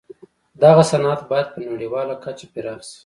دغه صنعت بايد په نړيواله کچه پراخ شي.